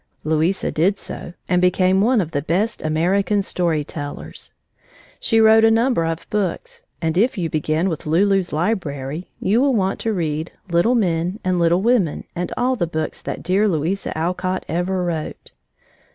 Louisa did so and became one of the best American story tellers. She wrote a number of books, and if you begin with Lulu's Library, you will want to read Little Men and Little Women and all the books that dear Louisa Alcott ever wrote.